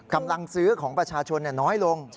กำลังซื้อของประชาชนน้อยลง